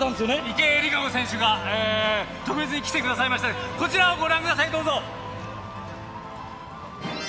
池江璃花子選手が、特別に来てくださいまして、こちらをご覧ください。